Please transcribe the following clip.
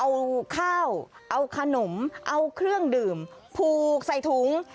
เอาข้าวเอาขนมเอาเครื่องดื่มผูกใส่ถุง